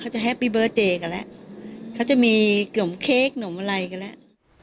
จะแฮปปี้เบิร์ตเดย์กันแล้วเขาจะมีขนมเค้กหนมอะไรกันแล้ว